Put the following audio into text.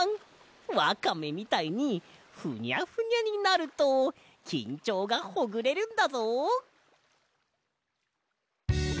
わかめみたいにふにゃふにゃになるときんちょうがほぐれるんだぞ！